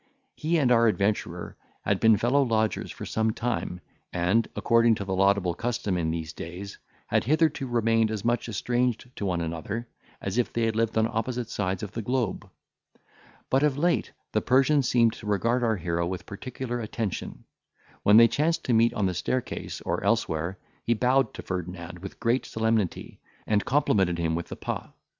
He and our adventurer had been fellow lodgers for some time, and, according to the laudable custom in these days, had hitherto remained as much estranged to one another, as if they had lived on opposite sides of the globe; but of late the Persian seemed to regard our hero with particular attention; when they chanced to meet on the staircase, or elsewhere, he bowed to Ferdinand with great solemnity, and complimented him with the pas.